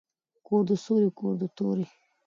کور د ســــولي کـــــور د تَُوري